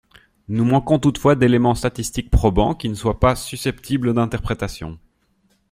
Nous manquons toutefois d’éléments statistiques probants, qui ne soient pas susceptibles d’interprétation.